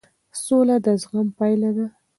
سوله د زغم پایله ده